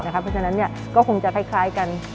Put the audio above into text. เพราะฉะนั้นก็คงจะคล้ายกัน